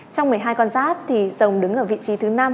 trong một mươi hai con giáp thì rồng đứng ở vị trí thứ năm